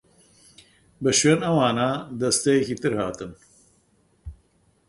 بە شوێن ئەوانا دەستەیەکی تر هاتن.